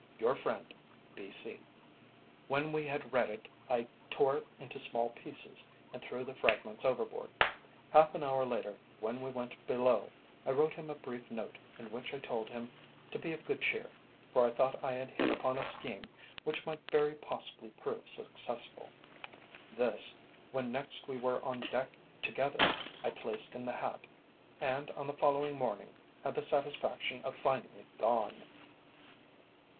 Your friend, B. C." When we had read it I tore it into small pieces and threw the fragments overboard. Half an hour later, when we went below, I wrote him a brief note in which I told him to be of good cheer, for I thought I had hit upon a scheme which might very possibly prove successful. This, when next we were on deck together, I placed in the hat, and on the following morning had the satisfaction of finding it gone.